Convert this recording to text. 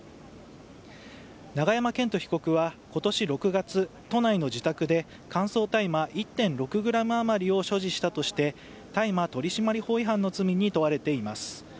永山絢斗被告は今年６月、都内の自宅で乾燥大麻１．６ｇ余りを所持したとして、大麻取締法違反の罪に問われています。